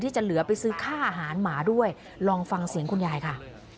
จะเหลือไปซื้อค่าอาหารหมาด้วยลองฟังเสียงคุณยายค่ะ